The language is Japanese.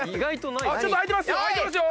ちょっと開いてますよ！